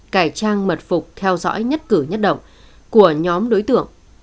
cải trang mật phục theo dõi nhất cử nhất động của nhóm đối tượng